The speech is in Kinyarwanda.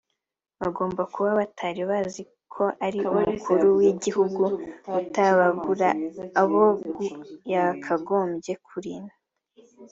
Bagomba kuba batari bazi ko ari umukuru w’igihugu utabagura abo yakagombye kurinda